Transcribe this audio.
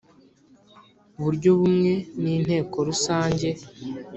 buryo bumwe n Inteko rusange